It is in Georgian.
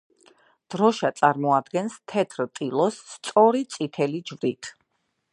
დროშა წარმოადგენს თეთრ ტილოს სწორი წითელი ჯვრით.